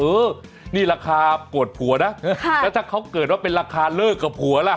เออนี่ราคาโกรธผัวนะแล้วถ้าเขาเกิดว่าเป็นราคาเลิกกับผัวล่ะ